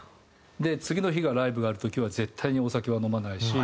で次の日がライブがある時は絶対にお酒は飲まないし。